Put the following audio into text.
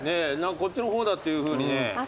こっちの方だっていうふうに。